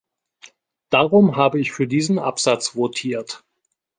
Darum habe ich für diesen Absatz votiert.